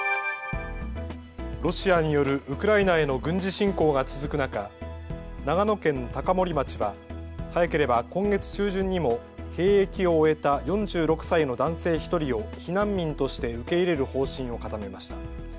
ロシアによるウクライナへの軍事侵攻が続く中、長野県高森町は早ければ今月中旬にも兵役を終えた４６歳の男性１人を避難民として受け入れる方針を固めました。